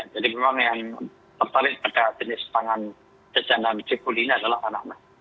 jadi memang yang tertarik pada jenis pangan jajanan s cikbul ini adalah anak anak